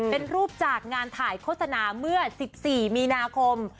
เป็นรูปจากงานถ่ายโฆษณาเมื่อ๑๔มีนาคม